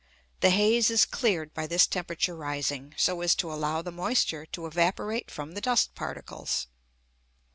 The haze is cleared by this temperature rising, so as to allow the moisture to evaporate from the dust particles.